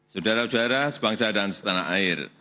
saudara saudara sebangsa dan setanah air